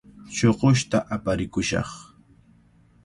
Shuqushta aparikushaq.